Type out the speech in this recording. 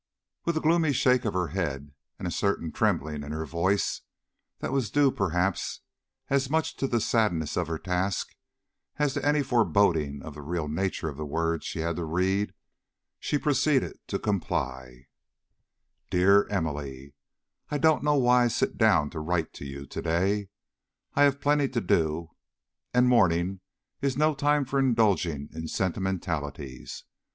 With a gloomy shake of her head, and a certain trembling in her voice, that was due, perhaps, as much to the sadness of her task as to any foreboding of the real nature of the words she had to read, she proceeded to comply: "DEAR EMILY: I don't know why I sit down to write to you to day. I have plenty to do, and morning is no time for indulging in sentimentalities.